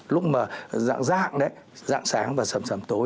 lúc mà dạng sáng và sầm sầm tối